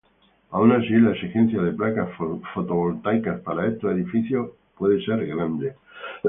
Aun así, la exigencia de placas fotovoltaicas para estos edificios puede ser grande.